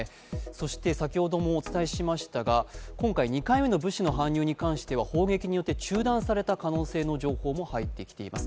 そして、先ほどもお伝えしましたが今回２回目の物資の搬入に関しては砲撃によって中断された可能性の情報も入っています。